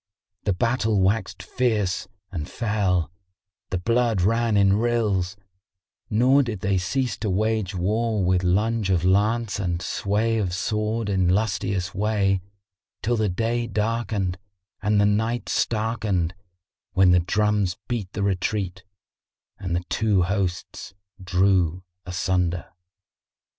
The battle waxed fierce and fell, the blood ran in rills, nor did they cease to wage war with lunge of lance and sway of sword in lustiest way, till the day darkened and the night starkened, when the drums beat the retreat and the two hosts drew asunder.